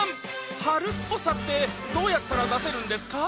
春っぽさってどうやったら出せるんですか？